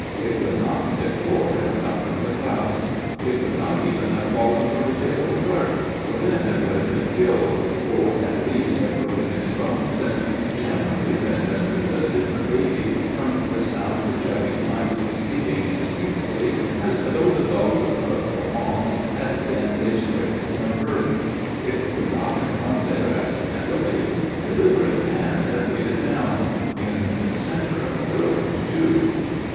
It could not, therefore, have come from the clouds. It could not even have fallen from the tail of a cart, for then it would have been killed, or at least have broken its bones and generally been rendered a different baby from the sound, chubby mite sleeping as peacefully as though the Golgotha of Provence had been its cradle from birth. It could not have come there accidentally. Deliberate hands had laid it down; in the centre of the road, too.